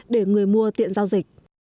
để người mua tiện giao dịch